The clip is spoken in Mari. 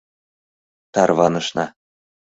— Тарванышна!